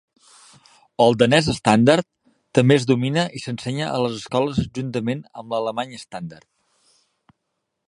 El danès estàndard també es domina i s'ensenya a les escoles juntament amb l'alemany estàndard.